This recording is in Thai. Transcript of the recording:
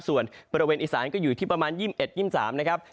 ส่วนบริเวณอีสานก็อยู่ที่ประมาณ๒๑๒๓นะครับ